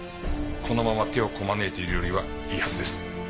このまま手をこまねいているよりはいいはずです。